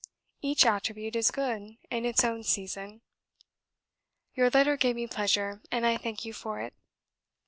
Each attribute is good in its own season. Your letter gave me pleasure, and I thank you for it.